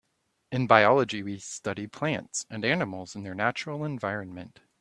In biology we study plants and animals in their natural environment.